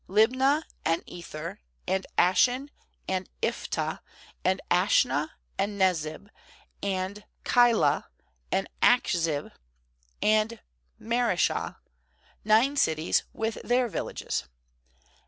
^Libnah, and Ether, and Ashan; ^nd Iphtah, and Ashnah, and Nezib; and Keilah, and Achzib, and Mare shah; nine cities with their villages.